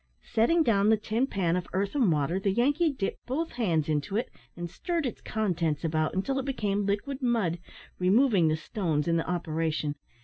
Setting down the tin pan of earth and water, the Yankee dipped both hands into it and stirred its contents about until it became liquid mud, removing the stones in the operation.